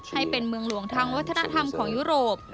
ให้เป็นเมืองหลวงทางวัฒนธรรมของยุโรป